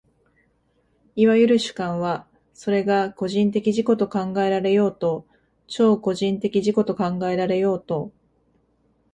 いわゆる主観は、それが個人的自己と考えられようと超個人的自己と考えられようと、